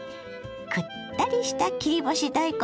くったりした切り干し大根